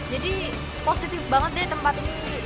jadi positif banget deh tempat ini